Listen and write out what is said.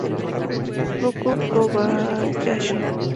Riku Kobayashi